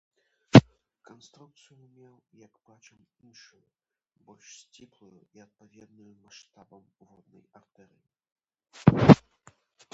Канструкцыю меў, як бачым, іншую, больш сціплую і адпаведную маштабам воднай артэрыі.